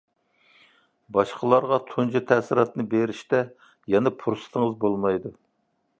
باشقىلارغا تۇنجى تەسىراتنى بېرىشتە يەنە پۇرسىتىڭىز بولمايدۇ.